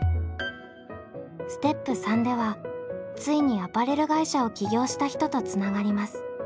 ステップ３ではついにアパレル会社を起業した人とつながります。